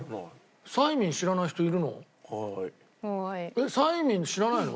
えっサイミン知らないの？